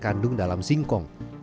dan kandung dalam singkong